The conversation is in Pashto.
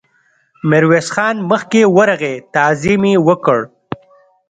ميرويس خان مخکې ورغی، تعظيم يې وکړ.